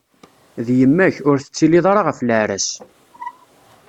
D yemma-k, ur teṭṭilliḍ ara ɣef leɛra-s.